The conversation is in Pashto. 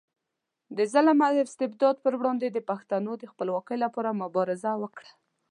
د ظلم او استبداد پر وړاندې د پښتنو د خپلواکۍ لپاره مبارزه وکړه.